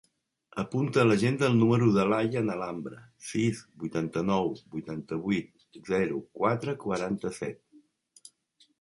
Apunta a l'agenda el número de l'Ayaan Alhambra: sis, vuitanta-nou, vuitanta-vuit, zero, quatre, quaranta-set.